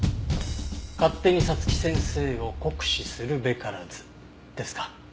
勝手に早月先生を酷使するべからずですか？